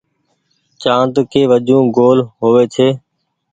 چآند ڪي وجون گول هووي ڇي۔